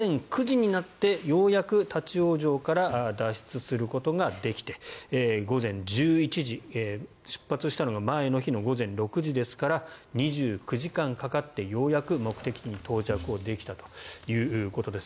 午前９時になってようやく立ち往生から脱出することができて午前１１時、出発したのが前の日の午前６時ですから２９時間かかってようやく目的地に到着できたということです。